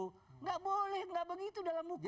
nggak boleh nggak begitu dalam hukum